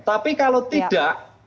tapi kalau tidak